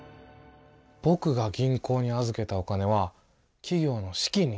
ぼくが銀行に預けたお金は企業の資金になるわけだ。